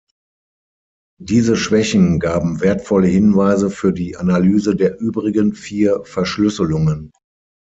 Diese Schwächen gaben wertvolle Hinweise für die Analyse der übrigen vier Verschlüsselungen.